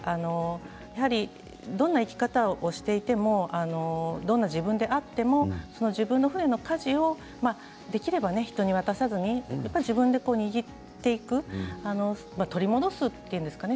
どんな生き方をしていてもどんな自分であっても自分の船のかじをできれば人に渡さずに自分で握っていく取り戻すというんですかね。